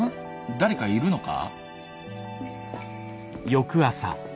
誰かいるのか？